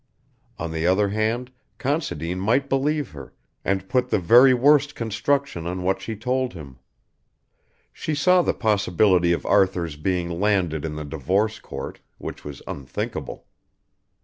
On the other hand Considine might believe her, and put the very worst construction on what she told him. She saw the possibility of Arthur's being landed in the Divorce Court, which was unthinkable.